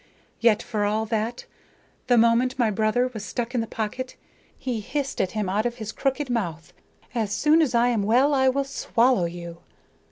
Yet, for all that, the moment my brother was stuck in the pocket he hissed at him out of his crooked mouth: "'As soon as I am well, I will swallow you.'